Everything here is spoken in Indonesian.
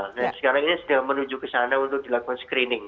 nah sekarang ini sudah menuju ke sana untuk dilakukan screening